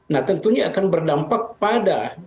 nah tentunya akan berdampak pada